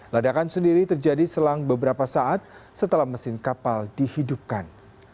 ledakan sendiri terjadi selang beberapa saat setelah mesin kapal dihidupkan